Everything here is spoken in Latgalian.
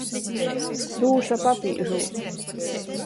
Dūša papīžūs.